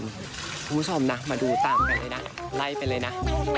คุณผู้ชมนะมาดูตามกันเลยนะไล่ไปเลยนะ